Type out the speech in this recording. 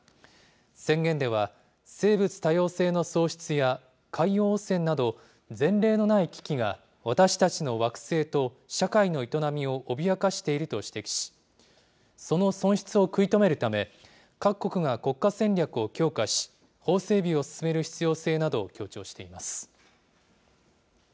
宣言では、生物多様性のや、海洋汚染など、前例のない危機が私たちの惑星と社会の営みを脅かしていると指摘し、その損失を食い止めるため、各国が国家戦略を強化し、法整備を進める必要性などを強調しています。